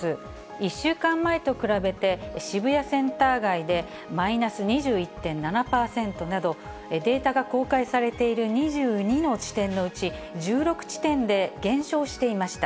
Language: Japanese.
１週間前と比べて、渋谷センター街でマイナス２１．７％など、データが公開されている２２の地点のうち、１６地点で減少していました。